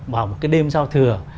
vào một cái đêm giao thừa